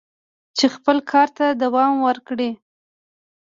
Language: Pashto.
چې خپل کار ته دوام ورکړي."